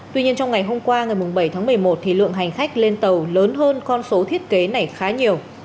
tuy nhiên trong ngày hôm qua ngày bảy tháng một mươi một thì lượng hành khách lên tàu lớn hơn con số thiết kế này khá nhiều